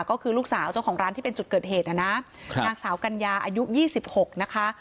ก็คือลูกสาวเจ้าของร้านที่เป็นจุดเกิดเหตุนะครับนางสาวกัญญาอายุ๒๖นะคะ